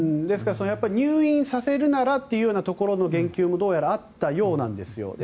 ですから入院させるならというところの言及もどうやらあったようなんですよ。